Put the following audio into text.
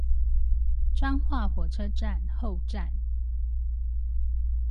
彰化火車站後站